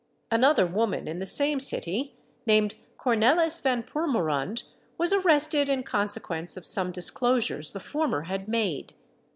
Another woman in the same city, named Kornelis van Purmerund, was arrested in consequence of some disclosures the former had made.